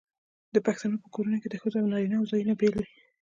د پښتنو په کورونو کې د ښځو او نارینه وو ځایونه بیل وي.